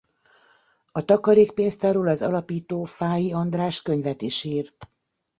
A takarékpénztárról az alapító Fáy András könyvet is írt.